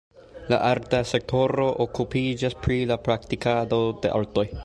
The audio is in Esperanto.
La arta sektoro okupiĝas pri la praktikado de artoj.